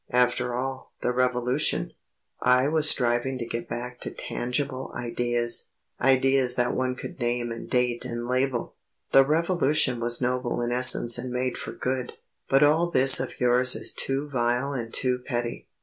After all, the Revolution ..." I was striving to get back to tangible ideas ideas that one could name and date and label ... "the Revolution was noble in essence and made for good. But all this of yours is too vile and too petty.